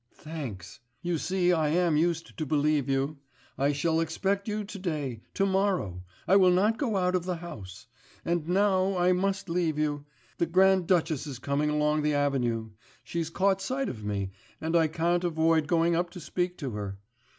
'Thanks. You see I am used to believe you. I shall expect you to day, to morrow, I will not go out of the house. And now I must leave you. The Grand Duchess is coming along the avenue.... She's caught sight of me, and I can't avoid going up to speak to her....